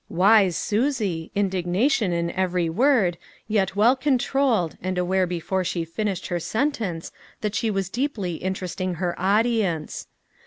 Wise Susie, indignation in every word, yet well controlled, and aware before she finished her sentence that she was deeply interesting her audience!